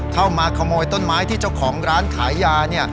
เข้ามาขโมยต้นไม้ที่เจ้าของร้านขายยา